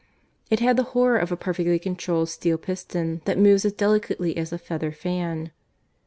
It had the horror of a perfectly controlled steel piston that moves as delicately as a feather fan.